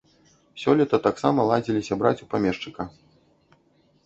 Сёлета таксама ладзіліся браць у памешчыка.